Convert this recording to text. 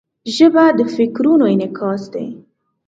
ژبه د فکرونو انعکاس دی